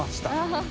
「ハハハ！」